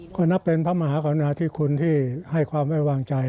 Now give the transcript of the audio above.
ก็นับเป็นพระมหากรณาธิคุณที่ให้ความไว้วางใจ